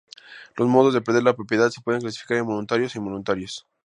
Los modos de perder la propiedad se pueden clasificar en voluntarios e involuntarios.